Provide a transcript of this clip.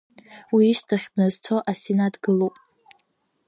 Уи ишьҭахь дназцо асенат гылоуп.